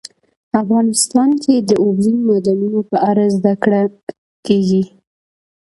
افغانستان کې د اوبزین معدنونه په اړه زده کړه کېږي.